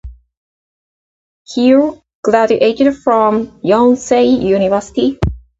Heo graduated from Yonsei University.